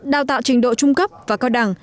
đào tạo trình độ trung cấp và cao đẳng